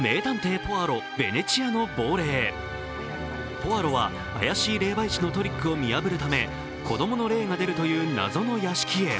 ポアロは怪しい霊媒師のトリックを見破るため子供の霊が出るという謎の屋敷へ。